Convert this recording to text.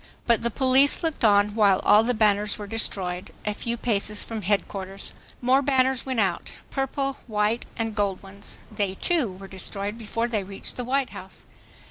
But the police looked on while all the banners were destroyed, a few paces from Headquarters. More banners ,went out,—purple, white and gold ones. They, too, were destroyed before they reached the White House.